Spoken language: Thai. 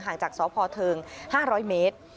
จากสพเทิง๕๐๐เมตร